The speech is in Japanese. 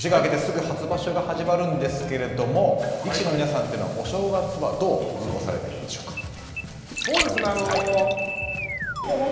親方年が明けて、すぐ初場所が始まるんですけれども力士の皆さんというのはお正月はどう過ごされているんでしょうか。